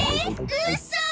うそ！？